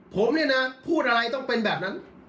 ผมเนี่ยนะพูดอะไรต้องเป็นแบบนั้น